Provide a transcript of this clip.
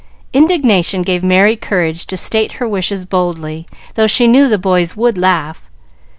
Indignation gave Merry courage to state her wishes boldly, though she knew the boys would laugh.